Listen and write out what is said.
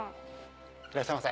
いらっしゃいませ。